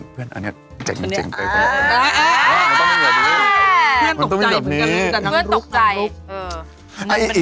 เพื่อนตกใจ